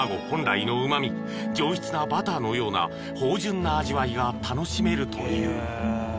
本来のうま味上質なバターのような芳醇な味わいが楽しめるという］